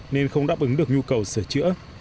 nên không đáp ứng được nhu cầu sửa chữa